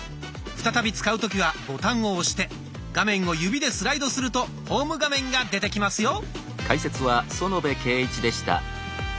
再び使う時はボタンを押して画面を指でスライドするとホーム画面が出てきますよ。